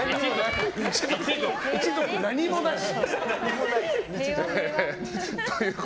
一族何もなし。